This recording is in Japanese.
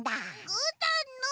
ぐーたんの！